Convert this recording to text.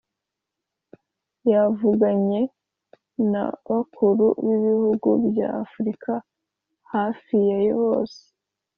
yavuganye n'abakuru b'ibihugu bya afurika hafi ya bose